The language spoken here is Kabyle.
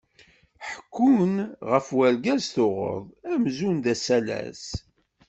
Ḥekkun ɣef urgaz tuɣeḍ, amzun d asalas.